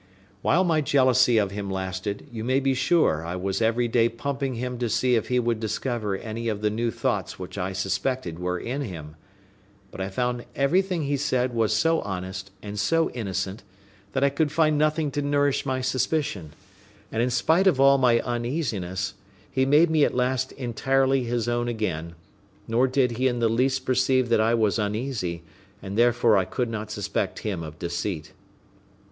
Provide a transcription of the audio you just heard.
While my jealousy of him lasted, you may be sure I was every day pumping him to see if he would discover any of the new thoughts which I suspected were in him; but I found everything he said was so honest and so innocent, that I could find nothing to nourish my suspicion; and in spite of all my uneasiness, he made me at last entirely his own again; nor did he in the least perceive that I was uneasy, and therefore I could not suspect him of deceit.